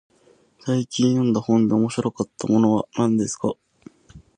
最近読んだ本で面白かったものは何ですか。